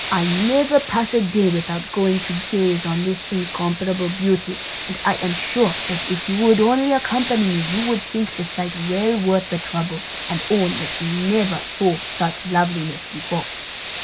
I never pass a day without going to gaze on this incomparable beauty, and I am sure that if you would only accompany me you would think the sight well worth the trouble, and own that you never saw such loveliness before."